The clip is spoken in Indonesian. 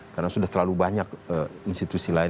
karena sudah terlalu banyak institusi lain